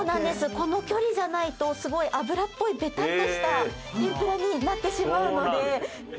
この距離じゃないとすごい油っぽいベタッとした天ぷらになってしまうので。